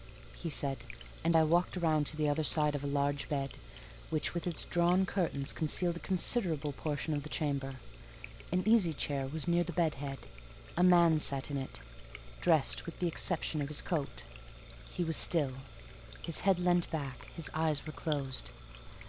he said; and I walked round to the other side of a large bed, which with its drawn curtains concealed a considerable portion of the chamber. An easy chair was near the bed head: a man sat in it, dressed with the exception of his coat; he was still; his head leant back; his eyes were closed.